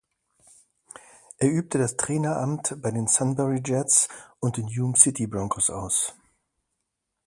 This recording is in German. Er übte das Traineramt bei den Sunbury Jets und den Hume City Broncos aus.